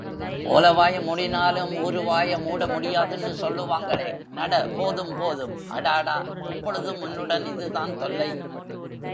ஒலைவாயை மூடினாலும் ஊருவாயெ மூட முடியாதுன்னு சொல்லுவாங்களே...... நட போதும் போதும் அடாடா எப்பொழுதும் உன்னுடன் இதுதான் தொல்லை.